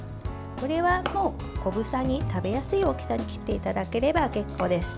これは小房に食べやすい大きさに切っていただければ結構です。